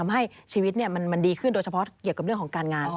ให้ชีวิตมันดีขึ้นโดยเฉพาะการงาน